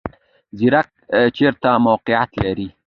ځیګر چیرته موقعیت لري؟